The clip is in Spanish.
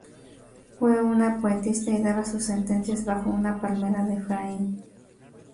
Fue una poetisa y daba sus sentencias bajo una palmera de Efraín.